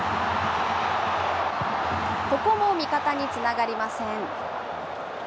ここも味方につながりません。